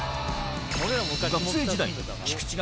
学生時代菊池が